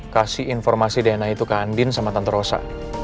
kasih informasi dna itu ke andin sama tante rosa